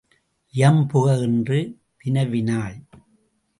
இயம்புக என்று வினவினாள்.